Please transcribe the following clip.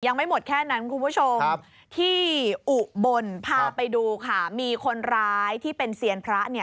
ยังไม่หมดแค่นั้นคุณผู้ชมที่อุบลพาไปดูค่ะมีคนร้ายที่เป็นเซียนพระเนี่ย